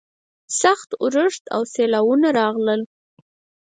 سخت اورښت او سیلاوونه راغلل.